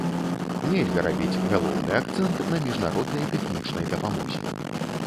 Нельга рабіць галоўны акцэнт на міжнароднай тэхнічнай дапамозе.